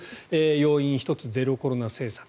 要因１つ、ゼロコロナ政策。